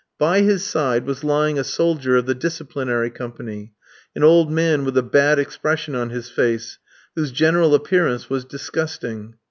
By his side was lying a soldier of the Disciplinary Company an old man with a bad expression on his face, whose general appearance was disgusting.